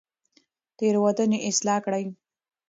تېروتنې اصلاح کړئ.